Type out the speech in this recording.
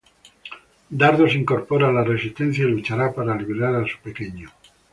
Dardo se incorpora a la resistencia y luchará para liberar a su pequeño.